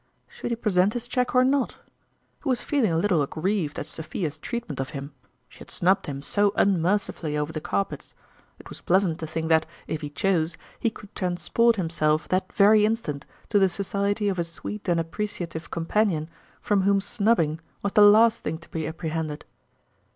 Should he pre Seconb QTljcque. 51 sent his cheque or not ; he was feeling a little aggrieved at Sophia's treatment of him, she had snubbed him so unmercifully over the carpets ; it was pleasant to think that, if he chose, he could transport himself that very instant to the society of a sweet and appreciative com panion from whom snubbing was the last thing to be apprehended.